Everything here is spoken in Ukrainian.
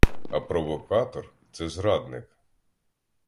А провокатор — це зрадник.